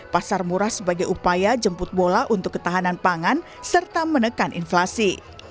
pasar murah sebagai upaya jemput bola untuk ketahanan pangan serta menekan inflasi